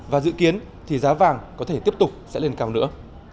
và dự kiến thì giá vàng có thể tiếp tục sẽ lên cao nữa